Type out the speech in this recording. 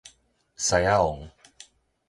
獅仔王